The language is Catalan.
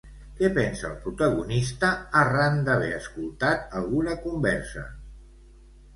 Què pensa el protagonista arran d'haver escoltat alguna conversa?